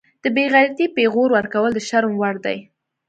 د بیغیرتۍ پیغور ورکول د شرم وړ دي